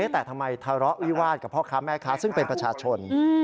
แต่ทำไมทะเลาะวิวาสกับพ่อค้าแม่ค้าซึ่งเป็นประชาชน